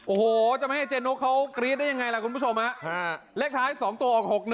โอ้โหจะไม่ให้เจนุ๊กเขากรี๊ดได้ยังไงล่ะคุณผู้ชมนะ